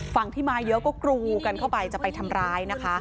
ฝั่งที่มาเยอะก็กรูกันเข้าไปจะไปทำร้ายนะคะ